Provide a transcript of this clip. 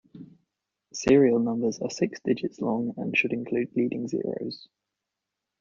Serial numbers are six digits long and should include leading zeros.